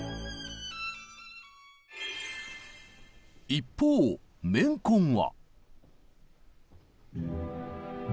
一方「メンコン」は。